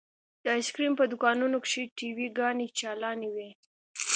د ايسکريم په دوکانونو کښې ټي وي ګانې چالانې وې.